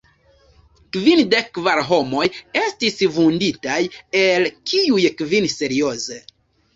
Kvindek kvar homoj estis vunditaj, el kiuj kvin serioze.